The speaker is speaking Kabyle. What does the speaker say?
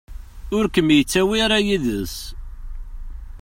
Ur kem-yettawi ara yid-s